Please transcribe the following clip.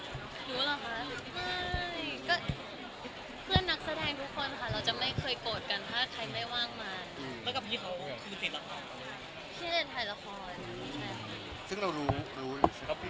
หนูไม่รู้ค่ะหนูไม่ถามมาตอบได้จริงเพราะหนูไม่รู้